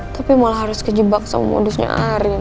tapi malah harus kejebak sama modusnya arin